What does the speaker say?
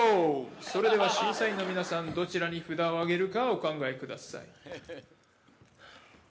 それでは審査員の皆さんどちらに札をあげるかお考えください